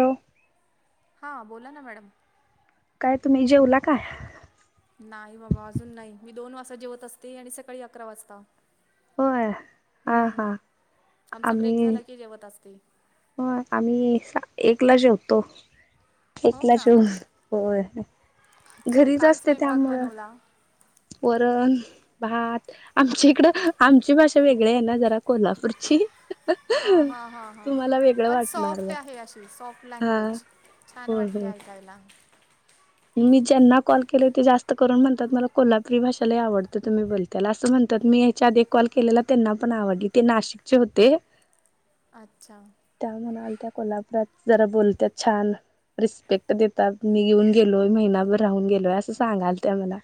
हो हां. बोला ना मॅडम. काय? तुम्ही जेवला काय? नाही बाबा अजून नाही. मी दोन वाजता जेवत असते आणि सकाळी अकरा वाजता. होय हा हा हम्म, आमचा ब्रेक झाला की जेवत असते. हो आम्ही एकला जेवतो हो एकला का जेव होय अच्छा घरीच काय असते स्वयंपाक त्यामुळं बनवला वरण भात आमच्या इकडं आमची भाषा वेगळे आहे ना जरा कोल्हापूरची हा हा हा हा तुम्हाला वेगळं पण वाटणार सॉफ्ट जरा. आहे अशी सॉफ्ट हा लँग्वेज छान हो वाटते हो ऐकायला मी ज्यांना कॉल केले ते जास्त करून म्हणतात मला कोल्हापुरी भाषा लय आवडतं तुम्ही बोल त्याला असं म्हणतात मी याच्या आधी कॉल केलेला त्यांना पण आवडली ते नाशिकचे होते अच्छा त्या म्हणाल त्या कोल्हापुरात जरा बोलतात छान रिस्पेक्ट देतात मी घेऊन गेलोय महिनाभर राहून गेलोय असं सांगाल त्या मला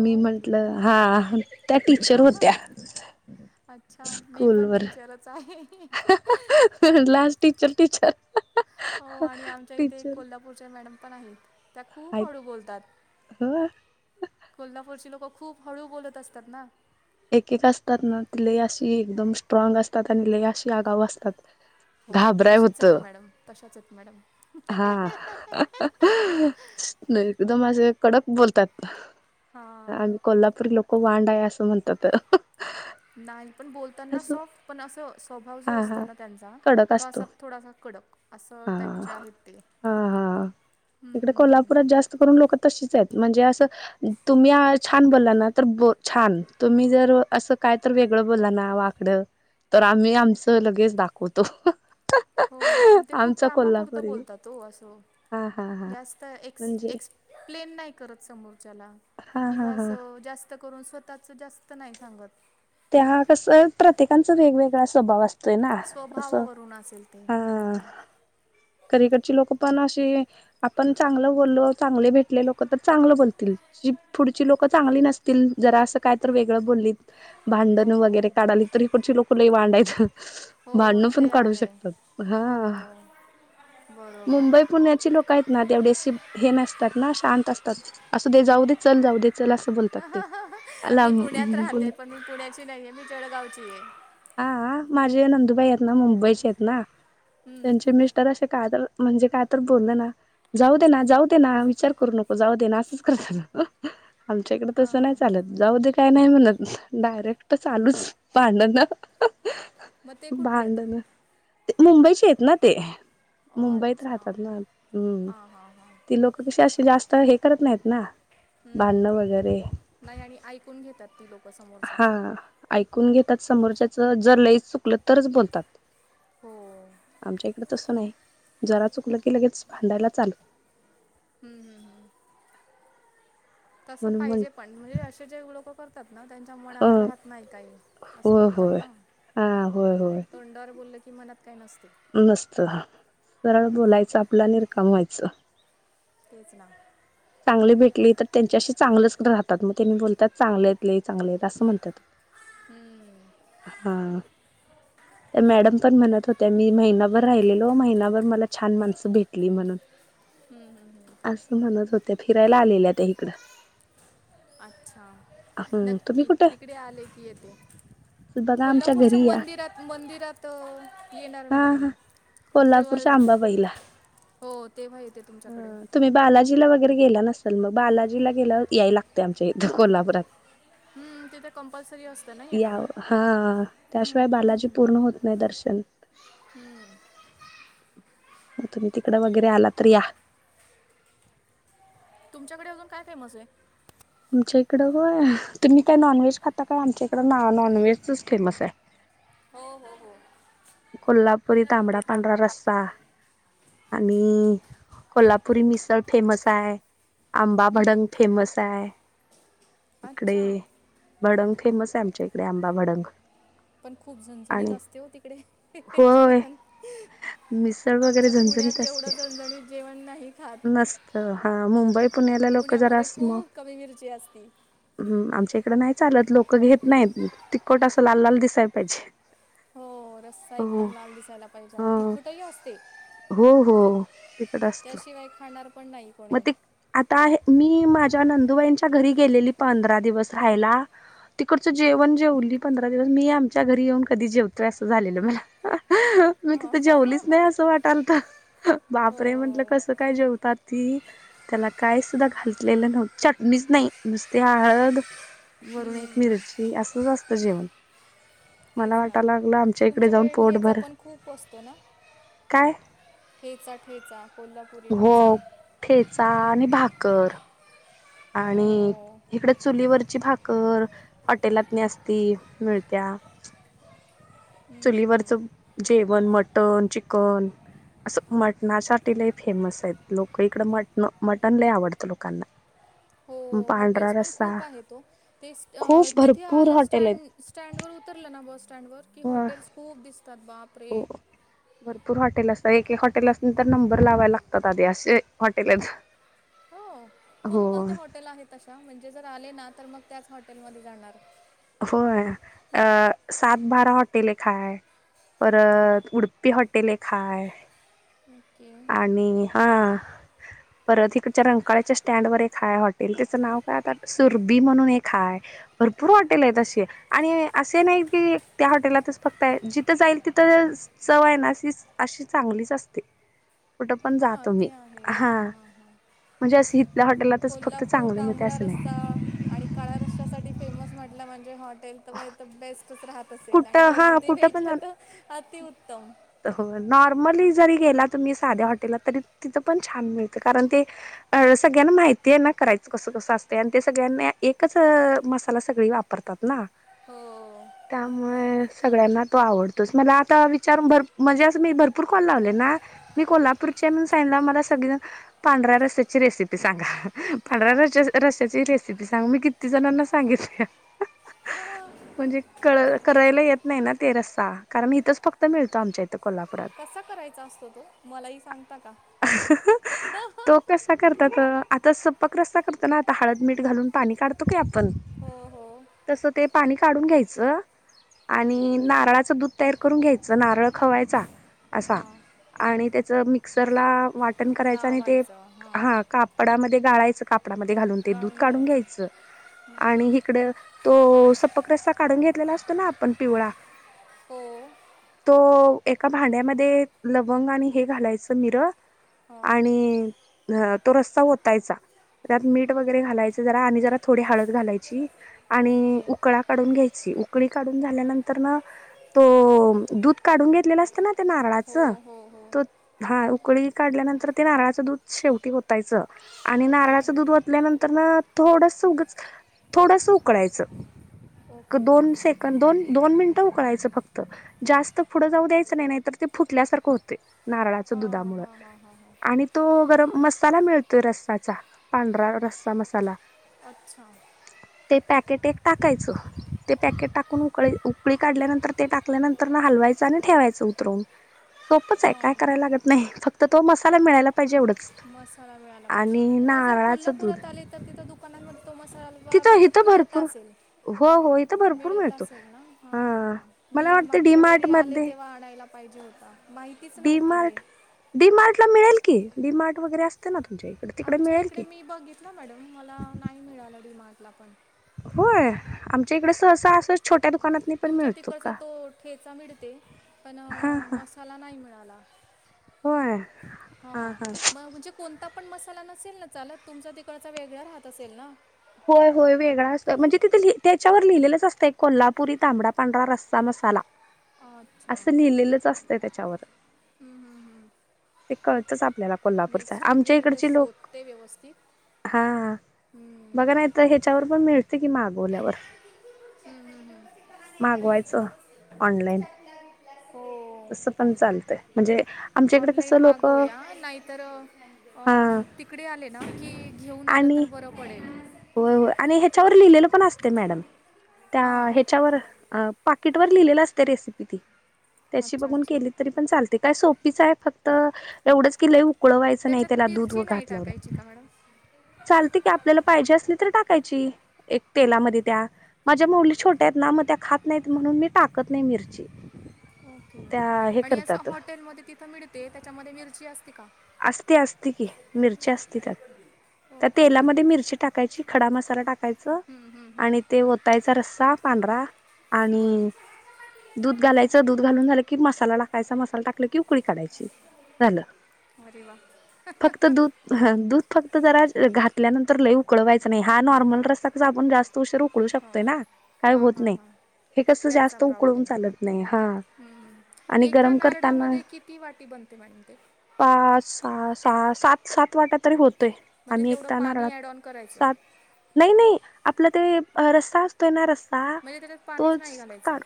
मी ओके म्हटलं हा त्या टीचर होत्या अच्छा! मी पण टीचरच आहे. हहह हह लास्ट टीचर, टीचर. हो आणि आमच्या इथे टीचर कोल्हापूरचे मॅडम पण आहेत. त्या खूप आहेत हळू बोलतात. ह. कोल्हापूरची लोकं खूप हळू बोलत असतात ना. एक एक असतात ना त लई अशी एकदम स्ट्रॉग असतात आणि लई अशी आगाऊ असतात. हो घाबराय तशीच होत. जाते मॅडम तशाच आहेत मॅडम हा. हहह एकदम असे कडक बोलतात. हां. ह अन कोल्हापूर लोक वांड आहे असं म्हणतात. नाही पण बोलताना अस सॉफ्ट पण असं स्वभाव हा जो असतो हा ना त्यांचा कडक त असतो असा थोडासा कडक असं हा टाईपचे आहेत ते. हा. हा. हं, इकडे हं, हं. कोल्हापुरात जास्त करून लोक तशीच आहेत म्हणजे असं तुम्ही छान बोला ना तर छान तुम्ही जर असं काय तर वेगळं बोला ना वाकड तर आम्ही आमच लगेच दाखवतो. हो. पण ते खूप आमचा कामापुरतं कोल्हापुरी बोलतात हो असं हा हा हा जास्त एक्स म्हणजे एक्स प्लेन नाही करत समोरच्याला हा हा किंवा हा अस जास्त करून स्वतःच जास्त नाही सांगत. ते हा कसं प्रत्येकांचा वेगवेगळा स्वभाव असत. ते ना असं. स्वभावावरून असेल ते. हा. हं. करीकडची लोक पण अशी, आपण चांगलं बोललो, चांगले भेटले लोक, तर चांगलं बोलतील. पुढची लोकं चांगली नसतील. जरा असं काय तर वेगळं बोलली भांडणं हो. वगैरे काढाली, तर इकडंची लोक लय वाडेत. हो भांडण पण ते काढू आहे. शकतात. हो. हा. बरोबर. मुंबई पुण्याची लोकयेत ना, तेवढेशी हे नसतात ना. शांत असतात. असू दे. जाऊ दे. चल जाऊ देेत. चला अस बोल हहह मी पुण्यात राहते. पण मी पुण्याची नाहीये. मी जळगावचीये. हा. हा. माझे नंदुबाई येत ना मुंबईचे येत ना. हं. त्यांचे मीस्ट तर असे का तर. म्हणजे काय तर बोललं ना जाऊ दे ना. जाऊ दे ना. विचार करू नको. जाऊ दे ना. असंच करतात हह. आमच्या इकडे हां तसं हां नाही हां चालत. जाऊ दे काय नाही म्हणत. डायरेक्ट चालूच भांडण. मग ते कुठले आहेत? भांडण. मुंबईचे येत ना ते. मुंबईत अच्छा. राहतात ना. हम्म. हां हां हां. ते लोक कशी अशी जास्त हे करत नाहीत ना. भांडण हं. वगैरे. नाही आणि ऐकून घेतात ती लोक. हा ऐकून घेतात समोरच्याच. जर लईच चुकलं, तरच बोलतात. हो. आमच्या इकड तसं नाही. जरा चुकलं की लगेच. भांडायला चालू. हम्म हम्म हम्म,. तसं म्हणून म्हण पाहिजे पण. म्हणजे असे जे लोक कर तात ना. त्यांच्या मनात हो राहात नाही काही. असं हो हो म्हणतात ना. हा होय होय तोंडावर बोललं की, मनात काय नसते. नसत. सरळ हं. बोलायचं आपल आणि रिकामं व्हायचं. तेच ना. चांगले भेटले त त्यांच्याशी चांगलेचं राहतात, मग त्यांनी बोलतात. चांगलेत लई चांगलेत असं म्हणतात. [inaudible] हम्म. हा. त्या मॅडम पण म्हणत होत्या, मी महिनाभर राहिलेलो. महिनाभर मला छान माणसं भेटली म्हणून. हम्म. हम्म. हम्म. असं म्हणत होत्या. फिरायला आलेल्या त्या इकडं. अच्छा! हम्म तुम्ही नक्की, कुठे तिकडे आले की येते. बघा आमच्या कोल्हापूरच्या घरी या मंदिरात, मंदिरात. येणार हा मॅडम हा मी. तेव्हा कोल्हापूरच्या आंबबाईला. हो, तेव्हा येते तुमच्याकडे. तुम्ही बालाजीला वगैरे गेला नसेल म. बालाजीला गेलाव या लागत आमच्या इथ. कोल्हापुरात. हम्म, तिथे कंपल्सरी असतं ना या येणं हा. त्याशिवाय बालाजी पूर्ण होत नाही दर्शन. हम्म. कुठून तिकडं वगैरे आला तर या. तुमच्याकडे अजून काय फेमसे? आमच्या इकडं होय, तुम्ही काय नॉनव्हेज खाता काय? आमच्या इकडं नॉनव्हेजच फेमसे. हो हो हो. कोल्हापूरी तांबडा, पांढरा रस्साा. आणि कोल्हापुरी मिसळ फेमस आहे. आंबा हम्म, भडंग फेमसाय. इकडे, अच्छा भडंग फेमसे, आमच्या इकडे, आंबा भडंग. पण खूप झणझणीत आणि असते हो तिकडे. होय जेवन. मिसळ वगैरे आमच्या झणझणीत पुण्यात एवढं असते झणझणीत जेवण नाही खात. नसत. हा मुंबई, पुण्याला लोक जरा पुण्यामध्ये अस म खूप कमी मिरची असती हम्म! आमच्या इकडे नाही चालत. लोकं घेत नाहीत. तिखट असं लाल लाल दिसायला पाहिजे. हो रस्सा हो एकदम लाल दिसायला पाहिजे आणि ह तिखटही अस ते हो हो तिकट असतो त्याशिवाय खाणार पण नाही. मग कोणी ते आता मी माझ्या नंदुबाईंच्या घरी गेलेली पंधरा दिवस राहायला तिकडचं जेवण जेवली पंधरा दिवस मी आमच्या घरी येऊन कधी जेवतोय असं झालेलं मला. [inaudible] मी तिथं जेवलीच नाही असं वाटालत हो बापरे! म्हंटलं कसं काय जेवतात. ती त्याला काय सुद्धा घातलेलं नव्हत चटणीच नाही नुसती हळद वरून एक हम्म, मिरची असंच असत जेवण. मला तेच ना वाटायला लागलं आमच्या इकडे जाऊन तुमच्याकडे ठेचा पोटभर पण खूप असतो ना. काय ठेचा- ठेचा कोल्हापुरी हो ठेचा ठेचा आणि भाकर आणि हो इकडे चुलीवरची भाक कर हॉटेलातनी असती मिळत्या. चुलीवरचं जेवण मटण, चिकन असं मटणासाठी लय फेमस आहेत लोक इकडं मटन मटन लय आवडतं लोकांना. [inaudible] हो पांढरा हॉटेल्स पण रस्सा खूप आहेत ओ ते खूप तिथे भरपूर आल हॉटेल आहेत स्टँड स्टँडवर उतरलं ना बस सटँडवर की ह हॉटेल्स खूप दिसतात. बाप रे! [inaudible] भरपूर हॉटेल असतात. एक एक हॉटेलासनी तर नंबर लावायला लागतात, आधी असे हॉटेल आहेत. हो. हो कोणकोणते हॉटेल आहेत अशा म्हणजे जर आले ना तर मग त्याच हॉटेलमध्ये जाणार. होय अ सातबारा हॉटेल एक हाय. परत उडपी हॉटेल एक हाय. ओके आणि हा परत इकडच्या रंकाळ्याच्या स्टँड वर एक हाय हॉटेल त्याचं नाव काय आता सुरभी म्हणून एक हाय. भरपूर हॉटेल आहेत अशी. आणि असे नाही की त्या हॉटेलातच फक्त आहे जिथं जाईल तिथं चव आहे ना अशी अशी चांगलीच असते कुठ पण जा हां तुम्ही ते आहे हा हां हां हां म्हणजे इथल्या हॉटेल कोल्हापूर तांबडा रस्सा आणि काळ रस्स्यासाठी फेमस म्हटलं म्हणजे हॉटेल तर मग इथे बेस्टच राहत असेल आणि कुठं हा घरगुती कुठं पण भेटलं तर अतिउत्तम हो नॉर्मली जरी गेला तुम्ही साध्या हॉटेलला तरी तिथं पण छान मिळतं कारण ते अ सगळ्यांना माहितीय आहे ना करायचं कसं कसं असतयं आणि ते सगळ्यांना एकच मसाला सगळी वापर तात ना हो त्यामुळे सगळ्यांना तो आवडतोच मला आता विचारून भर म्हणजे असं मी भरपूर कॉल लावले ना मी कोल्हापूरची आहे म्हणून सांगितल्यावर मला सगळेजण पांढऱ्या रस्स्याची रेसिपी सांगा पांढऱ्या र रस्स्याची रेसिपी सांगा मी किती ति जणांना सांगितल्या [inaudible] म्हणजे कळ करायला येत नाही ना ते रस्सा कारण इथंच फक्त मिळतो आमच्या इथं कोल्हापुरात कसां करायचा असतो तो मलाही सांगता का [inaudible] तो कसा करतात आता सपक रस्सा करतो ना आता हळद मीठ घालून पाणी काढतो की आपण हो हो तसं ते पाणी काढून घ्यायचं ओके आणि नारळाचं दूध तयार करून घ्यायचं नारळ खवायचा असा हां आणि त्याच मिक्सरला वाट कराय आणि ते लावायचं हां हा का कपडामध्ये गाळायचं कापडामध्ये घालून ते दूध काढून घ्यायचं आणि तो सक रस्ता काढून घेतलेला असतो ना आपण पिवळा हो तो एका भांड्यामध्ये लवंग आणि हे घालायचं मिर हां आणि अ तो रस्ता होतायचा त्यात मीठ वगैरे घालायच जरा आणि जरा थोडी हळद घालायची आणि ओके उकळा काढून घ्यायची उकळी काढून झाल्यानंतर ना तो दूध काढून घेतलेला असतं ना ते हो नारळाचं हो हो त हा उकळी काढल्यानंतर ते नारळाचं दूध शेवटी होतायचं आणि ओके नारळाचं दूध तल्यानंतर ना थोडसग थोडस उकळायचं ओके दोन सेकंड दोन दोन मिनिटं उकळायचं फक्त जास्त पुढं जाऊ द्यायचं नाही नाही तर ते फुटल्यासारखं होते नारळाचं हां दुधामु हां हां हां हां आणि तो गरम मसाला मिळतोय रस्साचा पांढरा रस्सा मसाला अच्छा ते पॅकेट एक टाकायचं ते पॅकेट टाकून उकळी उकळी काढल्यानंतर ते टाकल्यानंतर ना हलवायचं आणि ठेवायचं उतरवून सोपच आहे काय हां करायला लागत नाही फक्त तो मसाला मिळायला पाहिजे एवढंच मसाला मिळायला पाहिजे आणि मग जर नारळाचं दूध कोल्हापुरात आले तर तिथं दुकानांमध्ये तो मसाला तिथं विकत इथं मिळत भरपूर असेल हो हो भरपूर मिळत मिळतो असेल ना हा मला मी वाटतं डी मागच्या मार्ट वेळी आले मध्ये तेव्हा आणायला पाहिजे होता माहितीच डी नव्हतं हे मार्ट डी मार्ट ला मिळेल की डी मार्ट वगैरे असते ना तुमच्या इ आमच्या इकडे मी बघित ना मॅडम मला नाही मिळालं रिमार्कला पण होय आमच्या इकडे सहसा असं छोट्या दुकानात पण तुमच्या मिळतो तिकडचा का तो ठेचा मिळते पण हा हा मसाला नाही मिळाला होय हां हा हा मग म्हणजे कोणता पण मसाला नसेल ना चालत तुमचा तिकडचा वेगळा राहत असेल ना होय होय वेगळा असत म्हणजे तिथं त्याच्यावर लिहिलेलंच असतं एक कोल्हापुरी तांबडा पांढरा रस्सा मसाला हा असं लिहिलेलंच असतंय त्याच्यावर ते कळतच आपल्याला कोल्हापूरच आहे. नेक्स्ट टाइम आमच्या गेली तर इकडची लोक शोधते व्यवस्थित हा हम् बघा नाही तर ह्याच्यावर पण मिळते की मागवल्यावर मागवायचं ऑनलाईन होम तसं पण चालतय म्हणजे आमच्या इकडे ऑनलाईन कसं लोक मागवया नाहीतर हा त तकडे आले ना की घेऊन आलं तर आणि बरं पडेल होय हो आणि ह्याच्यावर लिहिलेलं पण असते मॅडम त्या हां ह्याच्यावर अ पाकिट वर लिहिलेलं असते रेसिपी ती त्याची अच्छा बघून अच्छा केली तरी पण चालते काय सोप ि आहे फक्त एवढंच कि लय उकळवायचं नाही त्याच्यात त्याला दूध मिरची व नाही घातल्यावर टाकायची का मॅडम चालते की आपल्याला पाहिजे असली तर टाकायची एक तेलामध्ये त्या माझ्या मुौली छोट्या आहेत ना मग त्या खात नाहीत म्हणून मी टाकत नाही मिरची ओके त्या हे आणि असं करतात हॉटेलमध्ये तिथं मिळते त्याच्यामध्ये मिरची असते का असते असते की मिरची असते त्यात त्या ओके तेलामध्ये मिरची टाक टाकायची खडा मसाला टाकायचा हम्म, हम्म, हम्म. आणि ते ओतायचा रस्सा पांढरा आणि बरं दूध घालायचं दूध घालून झालं की मसाला टाकायचा मसाला टाकलं की उकळी काढायची झालं मर वा फक्त दूध ह दूध फक्त जरा घातल्यानंतर लय उकळवायचा नाही हा नॉर्मल रस्ता कच आपण जास्त उशीर उकळ शकतोय ना काय हां होत हां नाही हां हे कस जास्त उकळून चालत नाही हा. हम्म आणि एका गरम करताना नारडामध्ये किती वाटी बनते मांडते. पाच स स सात सात वाट्या तरी होतोय. म्हणजे आम्ही तेवढं एकताना पाणी राात ॲड ऑन करायचं सात नाही नाही आपला ते रस्सा असतोय ना रस्सा म्हणजे त्याच्यात पाणीच तोच नाही का घालायचं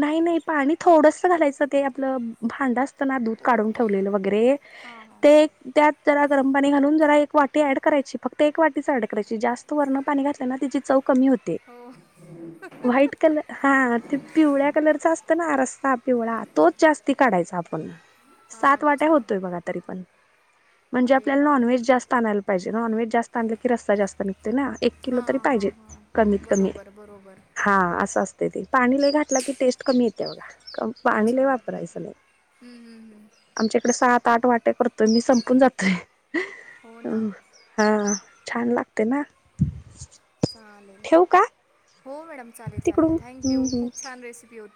नाही नाही पाणी थोडस घालायचं ते आपलं भांड असताना दूध काढून ओके ठेवलेलं वगैरे हां हां ते त्यात जरा गरम पाणी घालून जरा एक वाटी ऍड करायची फक्त एक वाटीच ऍड करायची जास्त वरून पाणी घातल्या त्याची चव कमी होते हो व्हाईट कलर हा ते पिवळ्या कलरच असतं ना रस्ता पिवळा तोच जास्ती काढायचा आपण. हां सात वाट्या अच्छा होतोय बघा तरी पण म्हणजे अरे आपल्याला वा नॉनव्हेज जास्त आणायला पाहिजे नॉनव्हेज जास्त आणलं की रस्ता जास्त निघते ना एक एक किलो तरी हां पाहिजे हां हां कमीत कमी. बरोबर बरोबर हा असं असते तेी पाणीला घातलं की टेस्ट कमी येते बघा कम पाणी अच्छा लई वापरा याच नाही. हम्म, हम्म, हम्म. आमच्या इकडे सात आठ वाटे करतोय मी संपून जातोय हो अ. ना हां छान लागते ना. चालेल ठेवू का हो मॅडम चालेल चालेल तिकडून थँक हम्म यू हम्म खूप छान रेसिपी होती.